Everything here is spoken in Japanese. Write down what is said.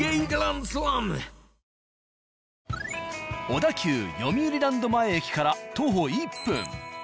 小田急読売ランド前駅から徒歩１分。